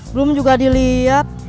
belum juga dilihat